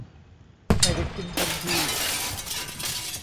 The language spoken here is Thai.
ไม่ได้กินทันที